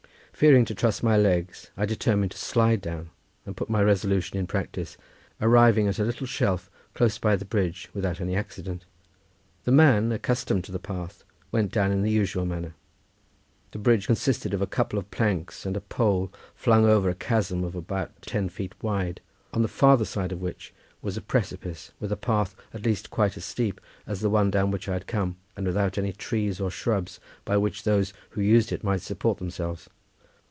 Fearing to trust my legs I determined to slide down, and put my resolution in practice, arriving at a little shelf close by the bridge without any accident. The man, accustomed to the path, went down in the usual manner. The bridge consisted of a couple of planks and a pole flung over a chasm about ten feet wide, on the farther side of which was a precipice with a path at least quite as steep as the one down which I had come, and without any trees or shrubs, by which those who used it might support themselves.